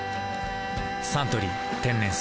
「サントリー天然水」